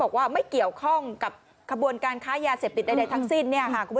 บอกว่าไม่เกี่ยวข้องกับขบวนการค้ายาเสพติดใดทั้งสิ้น